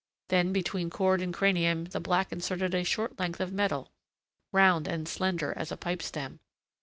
Then between cord and cranium the black inserted a short length of metal, round and slender as a pipe stem.